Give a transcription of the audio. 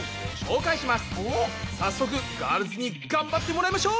早速ガールズに頑張ってもらいましょう。